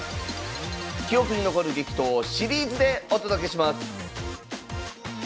記憶に残る激闘をシリーズでお届けします